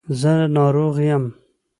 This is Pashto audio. زه ناروغ یم.